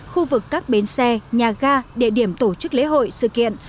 khu vực các bến xe nhà ga địa điểm tổ chức lễ hội sự kiện